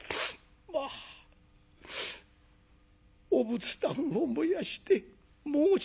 「まあお仏壇を燃やして申し」。